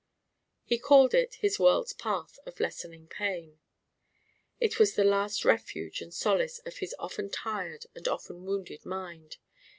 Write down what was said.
He called it his World's Path of Lessening Pain. It was the last refuge and solace of his often tired and often wounded mind.